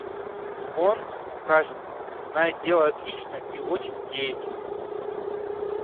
Он, кажется, знает дело отлично и очень деятелен.